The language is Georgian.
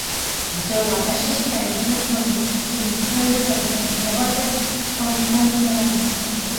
ძველ აბაშაში დაიბადა ცნობილი ქართველი მწერალი და საზოგადო მოღვაწე კონსტანტინე გამსახურდია.